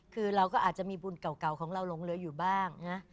คือเราก็อาจจะมีบุญเก่าของเราหลงเหลืออยู่บ้างนะ